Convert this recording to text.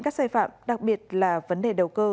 các sai phạm đặc biệt là vấn đề đầu cơ